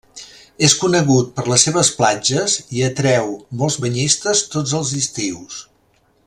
És conegut per les seves platges i atreu molts banyistes tots els estius.